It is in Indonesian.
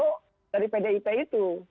itu dari pdip itu